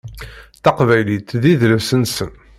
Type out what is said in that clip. Taqbaylit d idles-nsen.